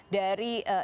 dari ibadah umroh